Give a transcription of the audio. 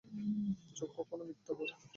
চোখ কখনো মিথ্যে বলে না।